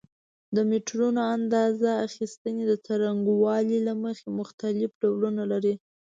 د میټرونو اندازه اخیستنې د څرنګوالي له مخې مختلف ډولونه لري.